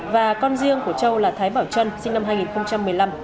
và con riêng của châu là thái bảo trân sinh năm hai nghìn một mươi năm